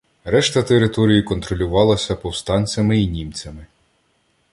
Решта території контролювалися повстанцями і німцями.